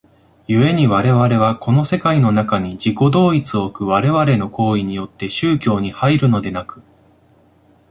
故に我々はこの世界の中に自己同一を置く我々の行為によって宗教に入るのでなく、